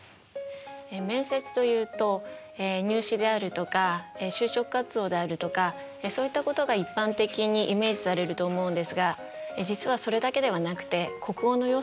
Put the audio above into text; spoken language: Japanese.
面接というと入試であるとか就職活動であるとかそういったことが一般的にイメージされると思うんですが実はそれだけではなくて国語の要素も含まれているんですね。